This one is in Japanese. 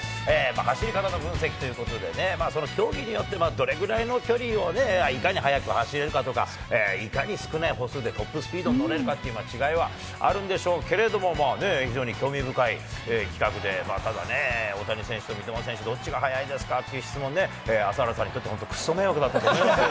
走り方の分析ということでね、その競技によって、どれぐらいの距離をいかに速く走れるかとか、いかに少ない歩数でトップスピードに乗れるかという違いはあるんでしょうけれどもね、非常に興味深い企画で、ただね、大谷選手と三笘選手、どっちが速いんですかという質問ね、朝原さんにとってもくそ迷惑だったと思いますが。